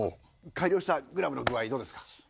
改良したグラブの具合どうですか？